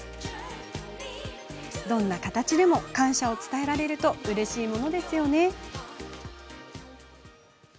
どんな形でも感謝を伝えられるとうれしいものですよね。